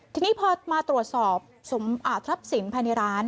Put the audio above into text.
ทีนี้พอมาตรวจสอบทรัพย์สินภายในร้าน